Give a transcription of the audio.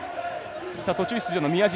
途中出場の宮島。